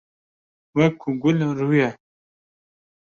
Wek ku gul, rû ye